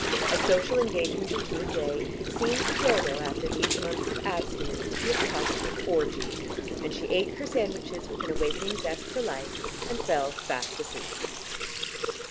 A social engagement or two a day, seemed to Dodo after these months of abstinence to be a positive orgy, and she ate her sandwiches with an awakening zest for life, and fell fast asleep.